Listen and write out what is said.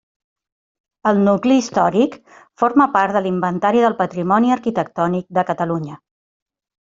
El nucli històric forma part de l'Inventari del Patrimoni Arquitectònic de Catalunya.